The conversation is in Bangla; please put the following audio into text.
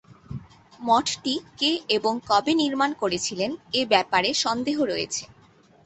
মঠটি কে এবং কবে নির্মাণ করেছিলেন এ ব্যাপারে সন্দেহ রয়েছে।